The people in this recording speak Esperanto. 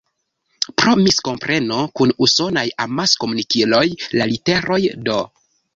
Pro miskompreno kun usonaj amaskomunikiloj, la literoj "D.